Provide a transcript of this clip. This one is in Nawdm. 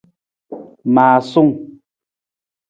Maasung.